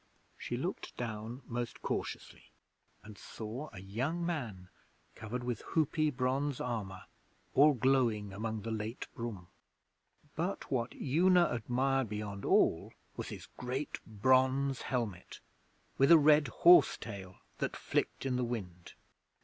She looked down most cautiously, and saw a young man covered with hoopy bronze armour all glowing among the late broom. But what Una admired beyond all was his great bronze helmet with a red horse tail that flicked in the wind.